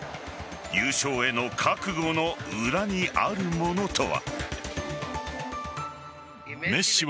優勝への覚悟の裏にあるものとは。